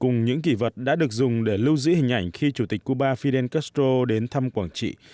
cùng những kỷ vật đã được dùng để lưu giữ hình ảnh khi chủ tịch cuba fidel castro đến thăm quảng trị